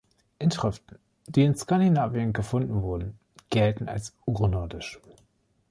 Inschriften, die in Skandinavien gefunden wurden, gelten als Ur-Nordisch.